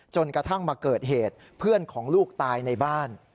จนกระทั่งมาเกิดเหตุเพื่อนของลูกตายในบ้าน